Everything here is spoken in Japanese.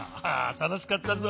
たのしかったぞ。